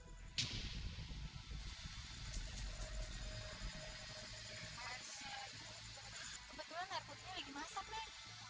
kebetulan air putihnya lagi masak nih